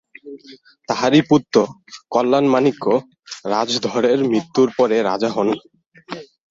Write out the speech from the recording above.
তাঁহারই পুত্র কল্যাণমাণিক্য রাজধরের মৃত্যুর পরে রাজা হন।